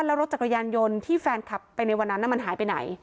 แล้วรถจักรยานยนต์ที่แฟนคลับไปในวันนั้นมันหายไปไหน